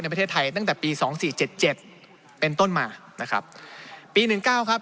ในประเทศไทยตั้งแต่ปี๒๔๗๗เป็นต้นมานะครับปี๑๙ครับ